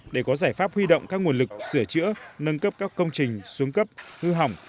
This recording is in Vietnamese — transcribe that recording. để có giải pháp huy động các nguồn lực sửa chữa nâng cấp các công trình xuống cấp hư hỏng